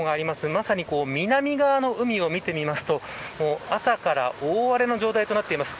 まさに南側の海を見てみますと朝から大荒れの状態となっています。